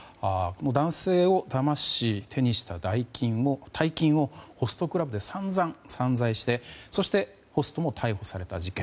男性をだまし手にした大金をホストクラブでさんざん散財してそしてホストも逮捕された事件。